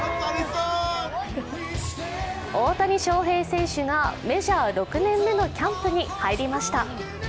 大谷翔平選手がメジャー６年目のキャンプに入りました。